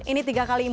ini tidak terlalu lama